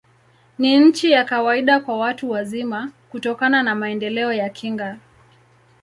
Ni chini ya kawaida kwa watu wazima, kutokana na maendeleo ya kinga.